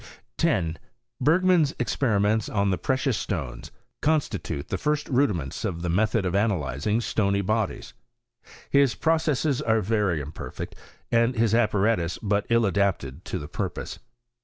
10. Be[^man'B experiments on the precious stones constitute the first rudiments of the method of analyzing stony bodies. His processes are very imperfect, and his apparatus but ill adapted to the purpose.